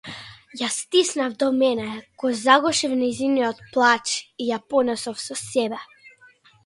Ја стиснав во мене, го загушив нејзиниот плач и ја понесов со себе.